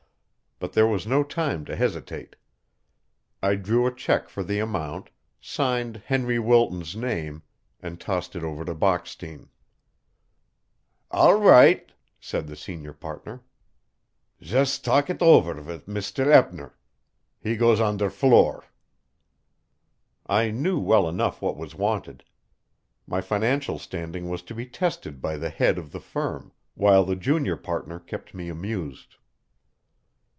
But there was no time to hesitate. I drew a check for the amount, signed Henry Wilton's name, and tossed it over to Bockstein. "All ridt," said the senior partner. "Zhust talk it ofer vit Misder Eppner. He goes on der floor." I knew well enough what was wanted. My financial standing was to be tested by the head of the firm, while the junior partner kept me amused.